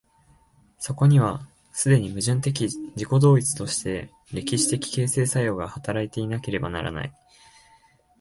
そこには既に矛盾的自己同一として歴史的形成作用が働いていなければならない。